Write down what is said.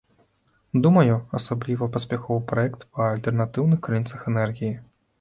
Думаю, асабліва паспяховы праект па альтэрнатыўных крыніцах энергіі.